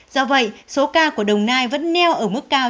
do vậy số ca của đồng nai vẫn neo ở mức cao